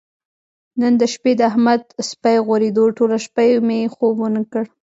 نن د شپې د احمد سپی غورېدو ټوله شپه یې مې خوب ونه کړ.